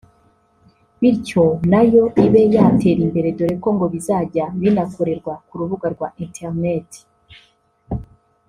bityo nayo ibe yatera imbere dore ko ngo bizajya binakorerwa ku rubuga rwa internet